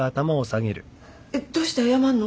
えっどうして謝んの？